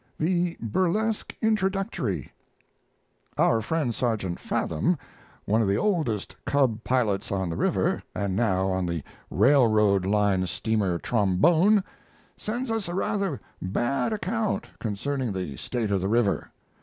] THE BURLESQUE INTRODUCTORY Our friend Sergeant Fathom, one of the oldest cub pilots on the river, and now on the Railroad Line steamer Trombone, sends us a rather bad account concerning the state of the river.